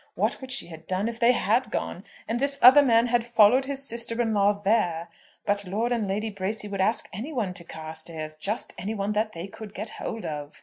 What would she have done if they had gone, and this other man had followed his sister in law there. But Lord and Lady Bracy would ask any one to Carstairs, just any one that they could get hold of!"